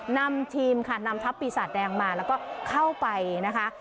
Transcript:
นำทีมค่ะนำทัพปีศาจแดงมาแล้วก็เข้าไปนะคะ